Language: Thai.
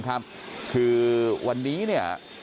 คือวันนี้เนี่ย